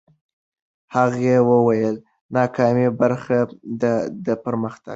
هغه وویل، ناکامي برخه ده د پرمختګ.